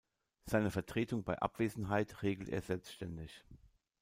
Seine Vertretung bei Abwesenheit regelt er selbständig.